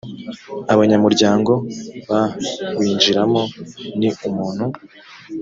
abanyamuryango bawinjiramo ni umuntu